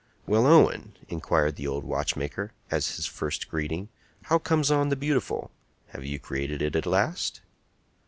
"Well, Owen," inquired the old watchmaker, as his first greeting, "how comes on the beautiful? Have you created it at last?"